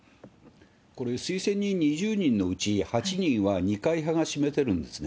これ、推薦人２０人のうち８人は二階派が占めてるんですね。